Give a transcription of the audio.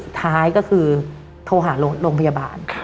ท้ายก็คือโทรหาโรงพยาบาล